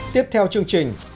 tiếp theo chương trình